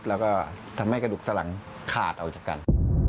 แล้วก็ทำให้กระดูกสลังขาดออกจากกัน